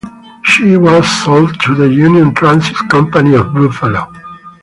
She was sold to the Union Transit Company of Buffalo.